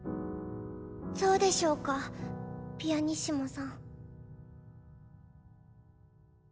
そうでしょうかピアニッシモさん。